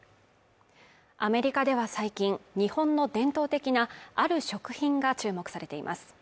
アメリカでは最近、日本の伝統的なある食品が注目されています。